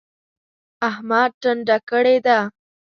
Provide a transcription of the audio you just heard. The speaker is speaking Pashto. احمد ټنډه کړې ده.